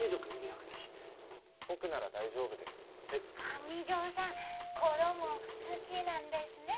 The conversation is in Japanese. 僕なら大丈夫です。